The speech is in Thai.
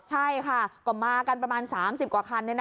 ใช่ค่ะก็มากันประมาณ๓๐กว่าคัน